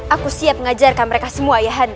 aku siap mengajarkan mereka semua ayahanda